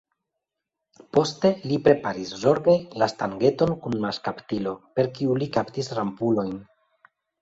Poste li preparis zorge la stangeton kun maŝkaptilo, per kiu li kaptis rampulojn.